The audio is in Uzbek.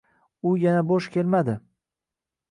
U yana bo’sh kelmadi.